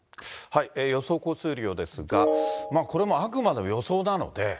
予想降水量ですが、これもあくまでも予想なので。